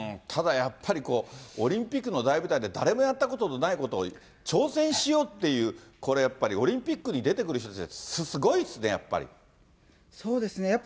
ただやっぱり、こう、オリンピックの大舞台で、誰もやったことのないことを挑戦しようっていう、これ、やっぱりオリンピックに出てくる人って、そうですね。